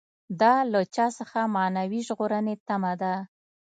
دا له چا څخه معنوي ژغورنې تمه ده.